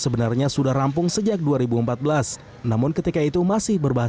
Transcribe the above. benar benar menjaga klub mereka